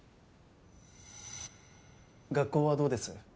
学校はどうです？